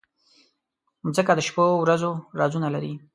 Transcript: مځکه د شپو ورځو رازونه لري.